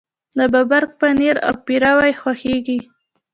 د ببرک پنیر او پیروی خوښیږي.